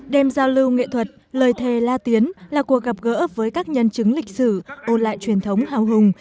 đêm giao lưu nghệ thuật lời thề la tiến là cuộc gặp gỡ với các nhân chứng lịch sử ôn lại truyền thống hào hùng